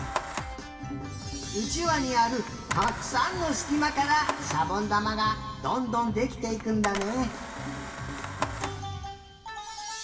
うちわにあるたくさんのすきまからしゃぼんだまがどんどんできていくんだね！